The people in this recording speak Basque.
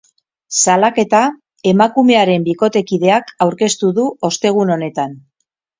Salaketa emakumearen bikotekideak aurkeztu du ostegun honetan.